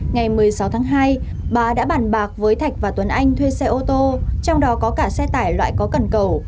ngày một mươi sáu tháng hai bà đã bàn bạc với thạch và tuấn anh thuê xe ô tô trong đó có cả xe tải loại có cần cầu